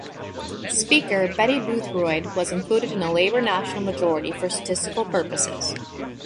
Speaker Betty Boothroyd was included in a Labour notional majority for statistical purposes.